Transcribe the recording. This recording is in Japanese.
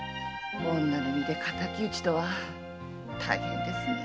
女の身で敵討ちとは大変ですねぇ。